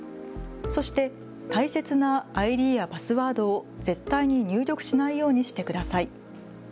そして大切なＩＤやパスワードを絶対に入力しないようにしてください。